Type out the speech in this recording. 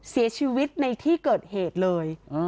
เสียชีวิตในที่เกิดเหตุเลย